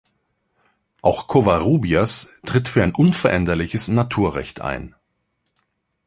Auch Covarrubias tritt für ein unveränderliches Naturrecht ein.